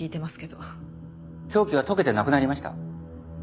凶器は解けてなくなりました。